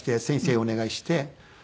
先生にお願いして。